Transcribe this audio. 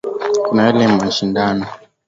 Kuna yale mashindano